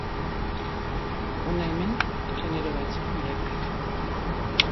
Hona hemen genero batzuen bilakaera.